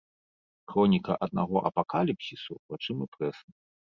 Хроніка аднаго апакаліпсісу вачыма прэсы.